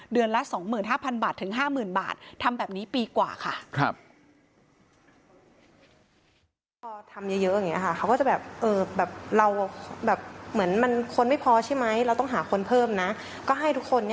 เดือนละ๒๕๐๐บาทถึง๕๐๐๐บาททำแบบนี้ปีกว่าค่ะ